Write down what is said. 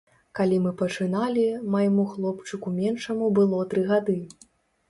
Калі мы пачыналі, майму хлопчыку меншаму было тры гады.